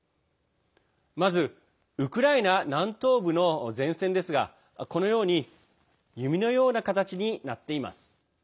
まず、ウクライナ南東部の前線ですがこのように弓のような形になっています。